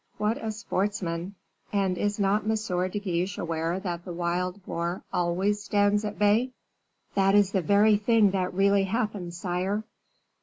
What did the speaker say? What a sportsman! And is not M. de Guiche aware that the wild boar always stands at bay?" "That is the very thing that really happened, sire."